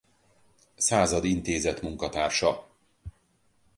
Század Intézet munkatársa.